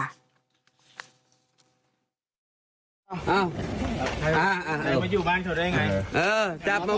นั่งดูเลยนางลง